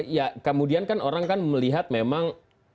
ya kemudian kan orang kan melihat memang